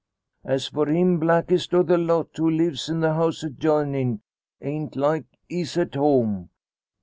As for him, blackest o' the lot, who lives in the house adjoinin', ain't like he's at home.